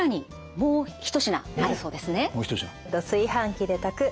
もう一品。